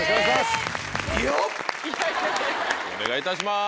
お願いいたします。